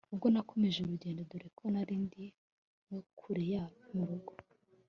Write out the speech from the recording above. ubwo nakomeje urugendo dore ko nari ndi no kure yo murugo